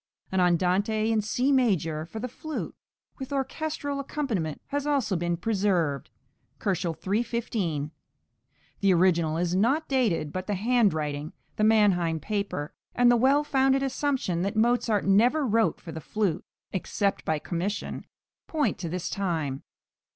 An andante in C major for the flute, with orchestral accompaniment has also been preserved (315 K.). The original is not dated, but the handwriting, the Mannheim paper, and the well founded assumption that Mozart never wrote for the flute, except by commission, point to this time.